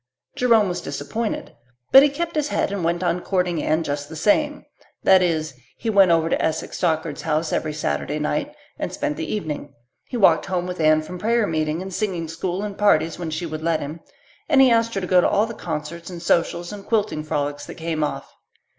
Jerome was disappointed, but he kept his head and went on courting Anne just the same; that is he went over to Esek Stockard's house every Saturday night and spent the evening, he walked home with Anne from prayer meeting and singing school and parties when she would let him, and asked her to go to all the concerts and socials and quilting frolics that came off.